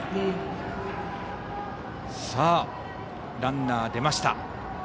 さあ、ランナーが出ました。